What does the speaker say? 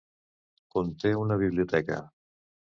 Conté una biblioteca.